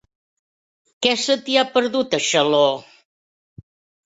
Què se t'hi ha perdut, a Xaló?